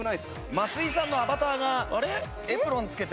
松井さんのアバターがエプロンつけて。